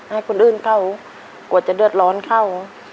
ให้คนอื่นเข้ากว่าจะเดือดร้อนเข้า